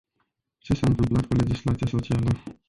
Ce s-a întâmplat cu legislația socială?